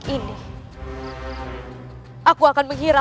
senjataair yang nella